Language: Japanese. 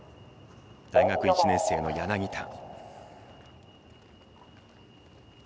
大学１年生の柳田。